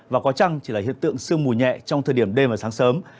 và có chăng chỉ là hiện tượng sương mù nhẹ trong thời điểm đêm và sáng sớm